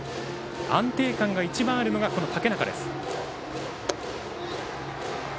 安定感が一番あるのが、この竹中です。